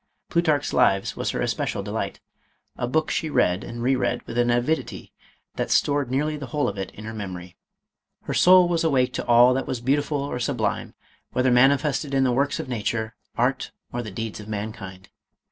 Plutarch's Lives, was her es pecial delight — a book she read and re read with an avidity that stored nearly the whole of it in her memo ry. Her soul was awake to all that was beautiful or sublime, whether manifested in the works of nature, art, or the deeds of mankind.